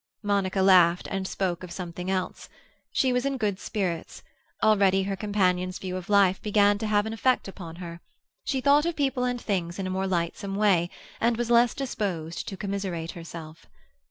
Monica laughed, and spoke of something else. She was in good spirits; already her companion's view of life began to have an effect upon her; she thought of people and things in a more lightsome way, and was less disposed to commiserate herself.